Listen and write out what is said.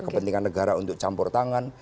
kepentingan negara untuk campur tangan